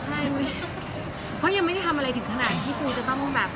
ใช่เพราะยังไม่ได้ทำอะไรถึงขนาดที่ครูจะต้องแบบ